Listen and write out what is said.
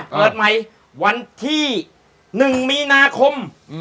เปิดใหม่วันที่๑มีนาคม